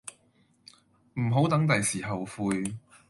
唔好等第時後悔